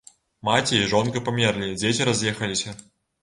Маці і жонка памерлі, дзеці раз'ехаліся.